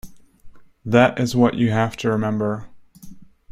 That is what you have to remember.